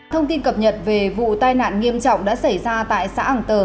thông tin cập nhật về vụ tai nạn nghiêm trọng đã xảy ra tại xã hàng tờ